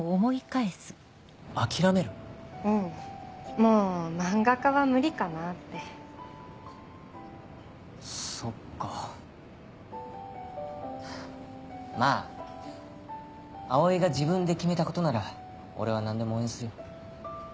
もう漫画家は無理かなってそっかまぁ葵が自分で決めたことなら俺は何でも応援するよ